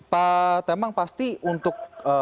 pak temang pasti untuk